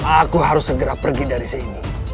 aku harus segera pergi dari sini